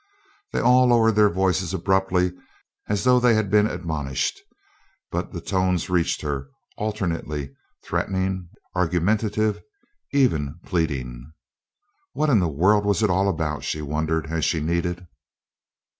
They all lowered their voices abruptly as though they had been admonished, but the tones reached her, alternately threatening, argumentative, even pleading. What in the world was it all about, she wondered as she kneaded.